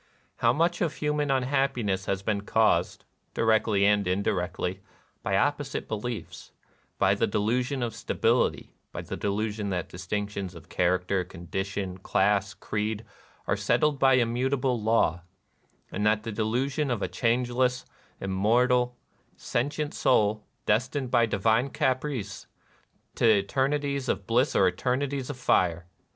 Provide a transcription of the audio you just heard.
How much of human unhappi ness has been caused, directly and indirectly, by opposite beliefs, — by the delusion of sta bility, — by the delusion that distinctions of character, condition, class, creed, are settled by immutable law, — and the delusion of a changeless, immortal, sentient soul, destined, by divine caprice, to eternities of bliss or eternities of fire